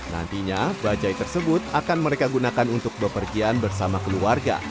nantinya bajai tersebut akan mereka gunakan untuk bepergian bersama keluarga